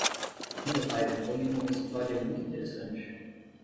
O meu pai contou-me uma história muito interessante.